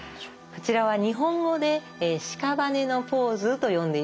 こちらは日本語でしかばねのポーズと呼んでいます。